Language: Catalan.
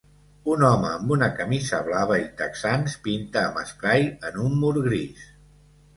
Un home amb una camisa blava i texans pinta amb esprai en un mur gris.